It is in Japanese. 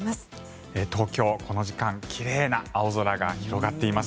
東京、この時間奇麗な青空が広がっています。